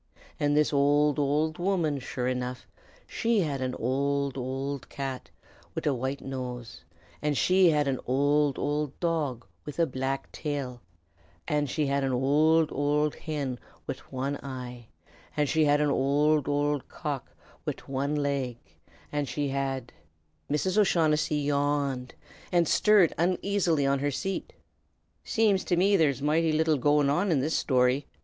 An' this owld, owld woman, sure enough, she had an owld, owld cat wid a white nose; an' she had an owld, owld dog wid a black tail, an' she had an owld, owld hin wid wan eye, an' she had an owld, owld cock wid wan leg, an' she had " Mrs. O'Shaughnessy yawned, and stirred uneasily on her seat. "Seems to me there's moighty little goin' an in this shtory!"